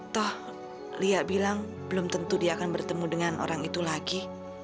toh lia bilang belum tentu dia akan bertemu dengan orang itu lagi